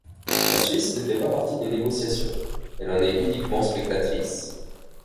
La Suisse ne fait pas partie des négociations, elle en est uniquement spectatrice.